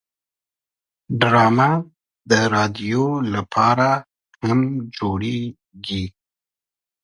ډرامه د رادیو لپاره هم جوړیږي